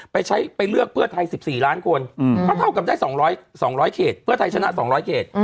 ไปใช้ไปเลือกเพื่อไทย๑๔ล้านคนเพราะเท่ากันได้๒๐๐เคตเปื้อไทยชนะ๒๐๐เคต